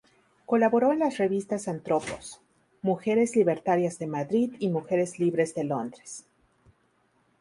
Colaboró en las revistas "Anthropos", "Mujeres Libertarias" de Madrid y "Mujeres Libres" de Londres.